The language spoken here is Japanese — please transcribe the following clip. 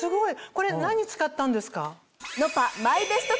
これ何使ったんですか？